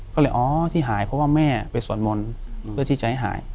ก็เลยอ๋อที่หายเพราะว่าแม่ไปสวดมนต์เพื่อที่จะให้หาย